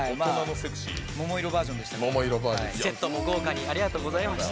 セットも豪華にありがとうございました。